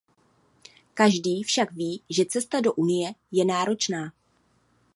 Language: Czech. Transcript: Každý však ví, že cesta do Unie je náročná.